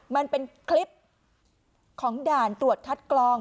มันเป็นคลิปของด่านตรวจคัดกรอง